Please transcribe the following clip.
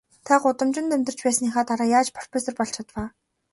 Та гудамжинд амьдарч байсныхаа дараа яаж профессор болж чадав аа?